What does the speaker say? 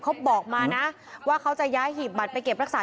เขาบอกมานะว่าเขาจะย้ายหีบบัตรไปเก็บรักษา